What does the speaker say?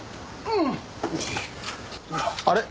あれ？